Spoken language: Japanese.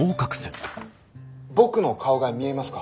僕の顔が見えますか？